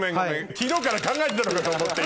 昨日から考えてたのかと思った今。